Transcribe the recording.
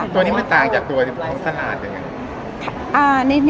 ตัวนี้มันต่างจากตัวที่พร้อมสถานหรือยังไง